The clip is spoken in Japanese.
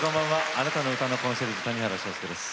あなたの歌のコンシェルジュ谷原章介です。